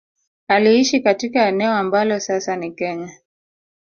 Aliishi katika eneo ambalo sasa ni Kenya